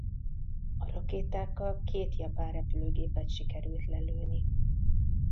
A rakétákkal két japán repülőgépet sikerült lelőni.